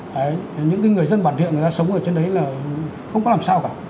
đấy những người dân bản địa người ta sống ở trên đấy là không có làm sao cả